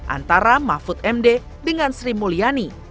antara mahfud md dengan sri mulyani